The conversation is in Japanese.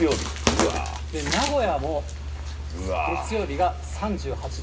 名古屋も月曜日が３８度。